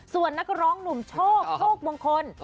ส่วนนักร้องหนุ่มโชคโชคมงคล